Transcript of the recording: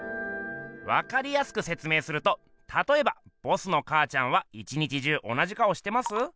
分かりやすく説明するとたとえばボスのかあちゃんは一日中同じ顔してます？